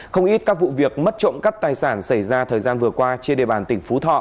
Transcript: không ít các vụ việc mất trộm cắp tài sản xảy ra thời gian vừa qua trên địa bàn tỉnh phú thọ